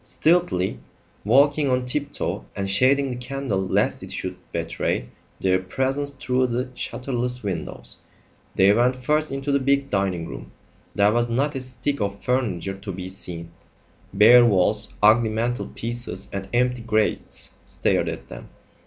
Stealthily, walking on tip toe and shading the candle lest it should betray their presence through the shutterless windows, they went first into the big dining room. There was not a stick of furniture to be seen. Bare walls, ugly mantel pieces and empty grates stared at them.